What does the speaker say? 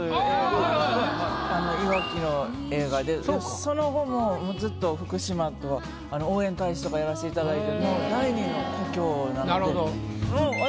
いわきの映画でその後もずっと福島とは応援大使とかやらせていただいてもう。